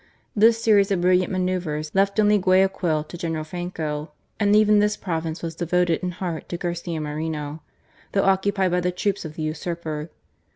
This series of brilliant manoeuvres left only Guayaquil to General Franco, and even this pro THE TAKING OF GUAYAQUIL. 91 vince was devoted in heart to Garcia Moreno, though occupied by the troops of the usurper.